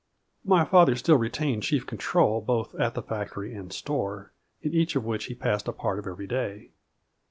My father still retained chief control both at the factory and store, in each of which he passed a part of every day.